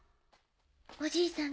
おじいさん